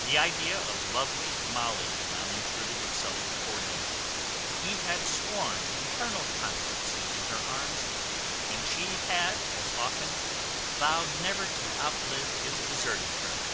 The idea of lovely Molly now intruded itself before him. He had sworn eternal constancy in her arms, and she had as often vowed never to out live his deserting her.